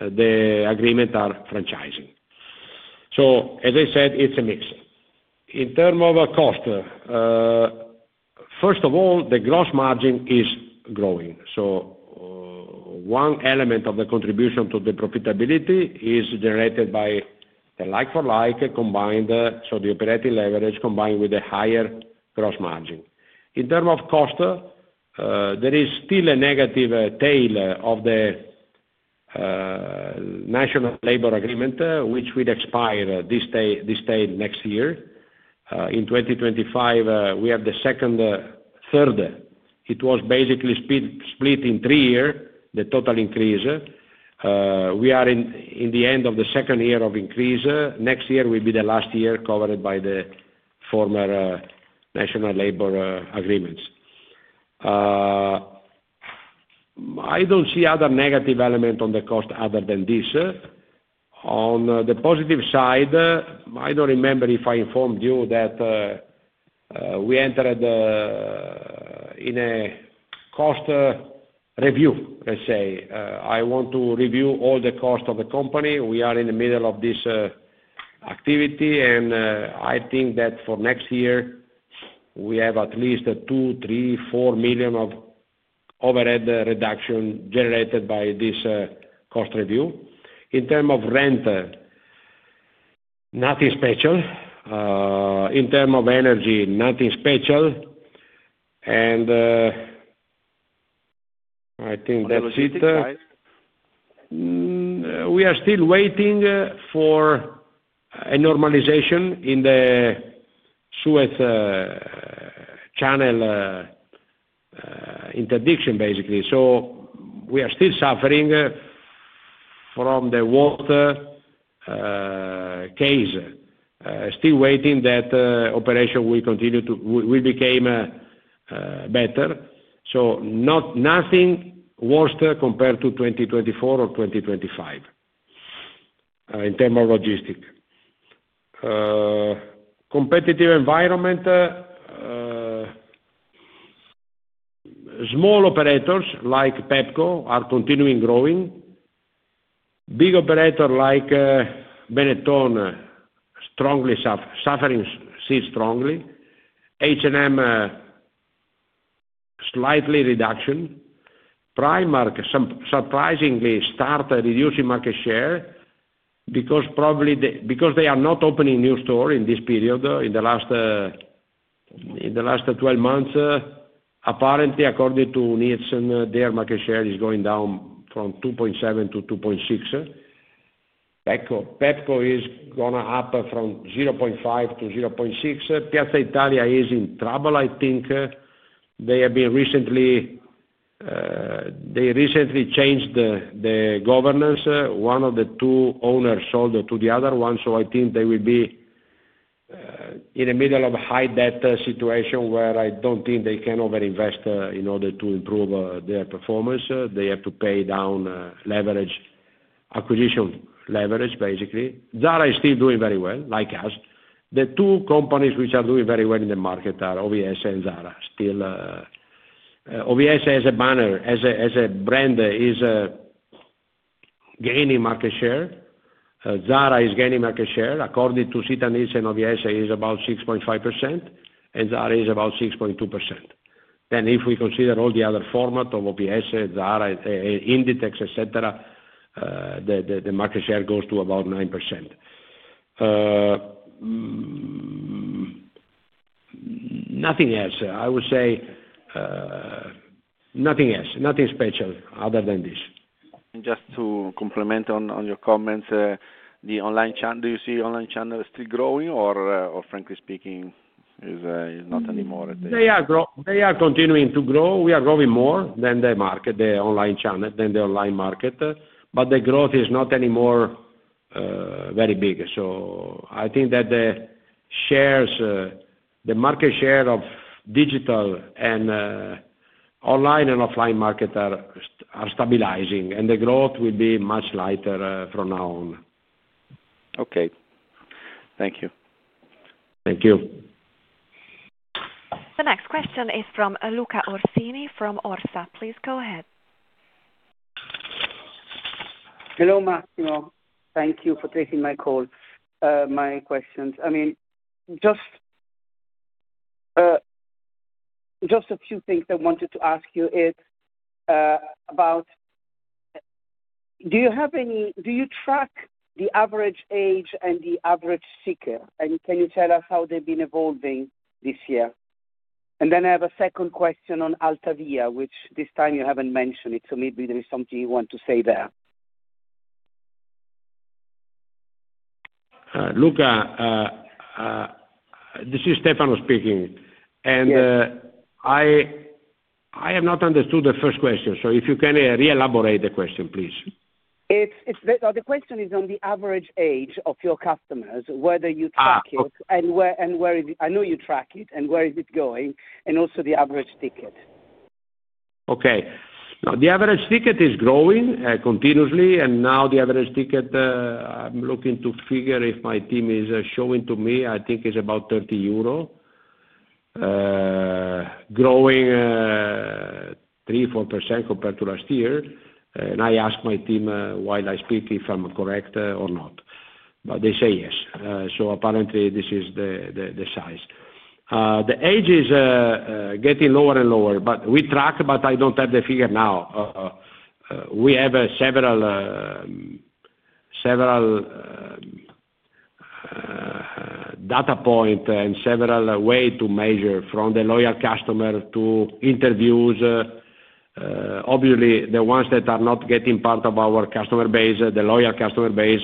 the agreements are franchising. So, as I said, it's a mix. In terms of cost, first of all, the gross margin is growing. So, one element of the contribution to the profitability is generated by the like-for-like combined, so the operating leverage combined with a higher gross margin. In terms of cost, there is still a negative tail of the National Labor Agreement, which will expire this tail next year. In 2025, we have the second, third. It was basically split in three years, the total increase. We are in the end of the second year of increase. Next year will be the last year covered by the former National Labor Agreements. I don't see other negative elements on the cost other than this. On the positive side, I don't remember if I informed you that we entered into a cost review, let's say. I want to review all the costs of the company. We are in the middle of this activity, and I think that for next year, we have at least 2-4 million of overhead reduction generated by this cost review. In terms of rent, nothing special. In terms of energy, nothing special. I think that's it. We are still waiting for a normalization in the Suez Canal interdiction, basically. So we are still suffering from the worst case. Still waiting that operations will continue to become better. So nothing worse compared to 2024 or 2025, in terms of logistics. Competitive environment, small operators like Pepco are continuing growing. Big operators like Benetton strongly suffering still strongly. H&M, slight reduction. Primark surprisingly started reducing market share because probably they are not opening new stores in this period, in the last 12 months. Apparently, according to Nielsen, their market share is going down from 2.7% to 2.6%. Pepco is going up from 0.5% to 0.6%. Piazza Italia is in trouble, I think. They recently changed the governance. One of the two owners sold to the other one, so I think they will be in the middle of a high debt situation where I don't think they can overinvest in order to improve their performance. They have to pay down leverage, acquisition leverage, basically. ZARA is still doing very well, like us. The two companies which are doing very well in the market are OVS and ZARA. Still, OVS as a banner, as a brand, is gaining market share. ZARA is gaining market share. According to Sita Ricerca and OVS, it is about 6.5%, and ZARA is about 6.2%. If we consider all the other formats of OVS, ZARA, Inditex, etc., the market share goes to about 9%. Nothing else. I would say, nothing else. Nothing special other than this. Just to comment on your comments, the online channel. Do you see online channel is still growing or, frankly speaking, is not anymore at the? They are continuing to grow. We are growing more than the market, the online channel, than the online market. But the growth is not anymore very big. So I think that the shares, the market share of digital and online and offline market are stabilizing, and the growth will be much lighter from now on. Okay. Thank you. Thank you. The next question is from Luca Orsini from One Investments. Please go ahead. Hello, Massimo. Thank you for taking my call, my questions. I mean, just a few things I wanted to ask you about. Do you track the average age and the average ticket? And can you tell us how they've been evolving this year? And then I have a second question on Altavia, which this time you haven't mentioned it, so maybe there is something you want to say there. Luca, this is Stefano speaking. I have not understood the first question, so if you can re-elaborate the question, please. So the question is on the average age of your customers, whether you track it. Correct. Where is it? I know you track it, and where is it going, and also the average ticket. Okay. Now, the average ticket is growing continuously, and now the average ticket, I'm looking to figure if my team is showing to me. I think it's about 30 euro, growing 3%-4% compared to last year. I asked my team, while I speak if I'm correct or not, but they say yes. So apparently, this is the size. The age is getting lower and lower, but we track, but I don't have the figure now. We have several data points and several ways to measure from the loyal customer to interviews. Obviously, the ones that are not getting part of our customer base, the loyal customer base,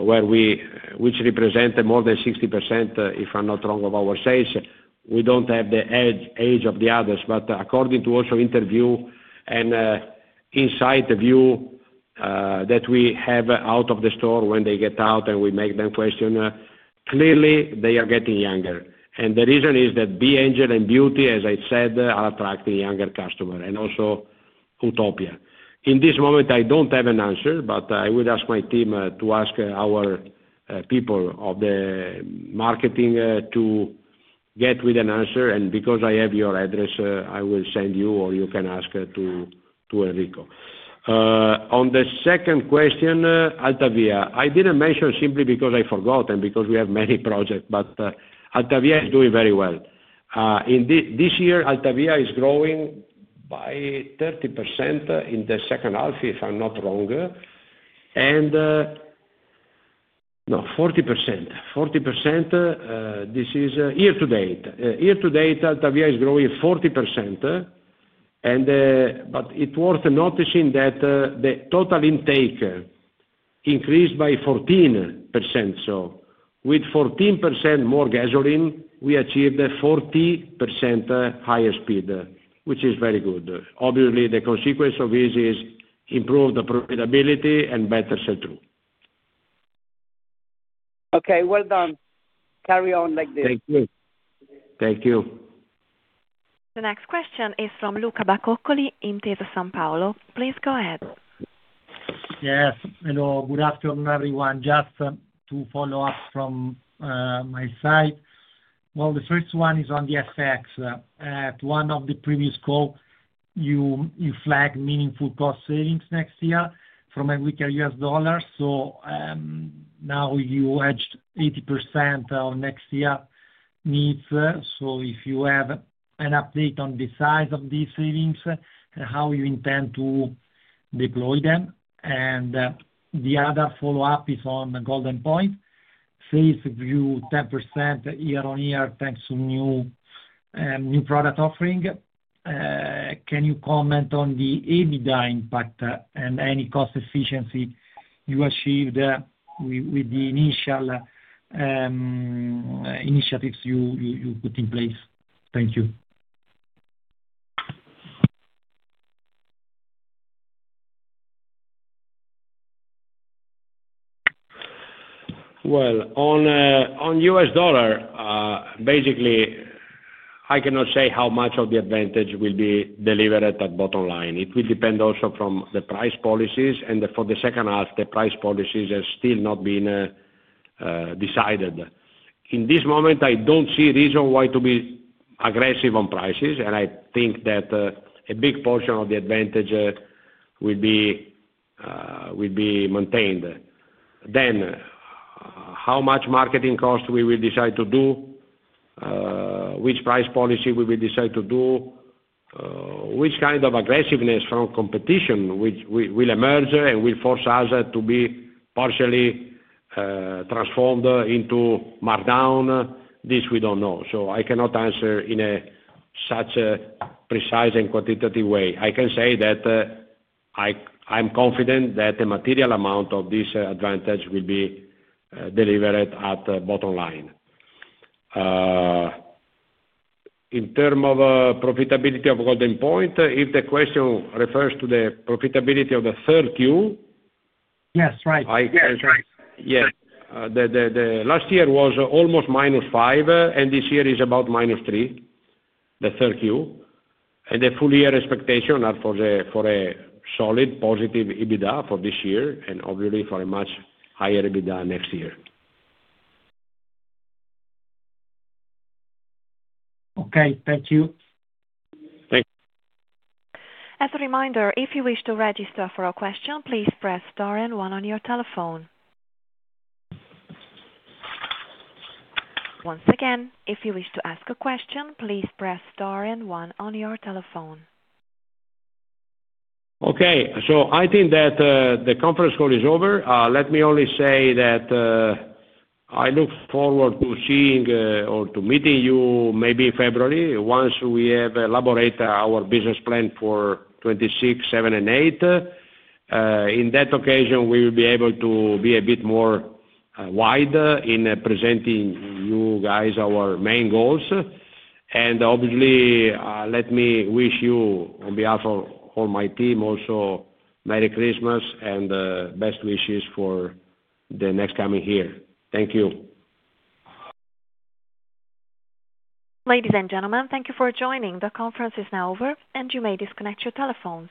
where we which represent more than 60%, if I'm not wrong, of our sales, we don't have the age of the others. According to our interviews and insights that we have outside the store when they get out and we ask them questions, clearly they are getting younger. The reason is that B.Angel and Beauty, as I said, are attracting younger customers and also Utopja. In this moment, I don't have an answer, but I will ask my team to ask our marketing people to get an answer. Because I have your address, I will send you, or you can ask Enrico. On the second question, Altavia, I didn't mention simply because I forgot and because we have many projects, but Altavia is doing very well. In this year, Altavia is growing by 30% in the second half, if I'm not wrong, and no, 40%. 40%, this is year to date. Year to date, Altavia is growing 40%, and, but it's worth noticing that, the total intake increased by 14%. So with 14% more gasoline, we achieved a 40% higher speed, which is very good. Obviously, the consequence of this is improved profitability and better sell-through. Okay. Well done. Carry on like this. Thank you. Thank you. The next question is from Luca Bacoccoli, Intesa Sanpaolo. Please go ahead. Yes. Hello. Good afternoon, everyone. Just to follow up from my side. Well, the first one is on the FX. At one of the previous calls, you flagged meaningful cost savings next year from a weaker US dollar. So, now you hedged 80% on next year needs. So if you have an update on the size of these savings and how you intend to deploy them. And, the other follow-up is on the Goldenpoint. Sales grew 10% year on year thanks to new product offering. Can you comment on the EBITDA impact and any cost efficiency you achieved with the initial initiatives you put in place? Thank you. On US dollar, basically, I cannot say how much of the advantage will be delivered at bottom line. It will depend also from the price policies, and for the second half, the price policies have still not been decided. In this moment, I don't see a reason why to be aggressive on prices, and I think that a big portion of the advantage will be maintained. Then, how much marketing cost we will decide to do, which price policy we will decide to do, which kind of aggressiveness from competition which will emerge and will force us to be partially transformed into markdown, this we don't know. So I cannot answer in such a precise and quantitative way. I can say that I'm confident that the material amount of this advantage will be delivered at bottom line. In terms of profitability of Goldenpoint, if the question refers to the profitability of the third Q. Yes, right. I can say. Yes. The last year was almost -5%, and this year is about -3%, the third Q. And the full year expectation are for a solid positive EBITDA for this year and obviously for a much higher EBITDA next year. Okay. Thank you. Thank. As a reminder, if you wish to register for a question, please press star and one on your telephone. Once again, if you wish to ask a question, please press star and one on your telephone. Okay. So I think that the conference call is over. Let me only say that I look forward to seeing or to meeting you maybe in February once we have elaborated our business plan for 2026, 2027, and 2028. In that occasion, we will be able to be a bit more wide in presenting you guys our main goals. And obviously, let me wish you, on behalf of all my team, also Merry Christmas and best wishes for the next coming year. Thank you. Ladies and gentlemen, thank you for joining. The conference is now over, and you may disconnect your telephones.